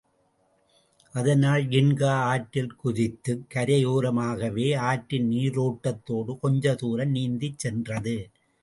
அதனால் ஜின்கா ஆற்றில் குதித்துக் கரையோரமாகவே ஆற்றின் நீரோட்டத்தோடு கொஞ்ச தூரம் நீந்திச் சென்றது.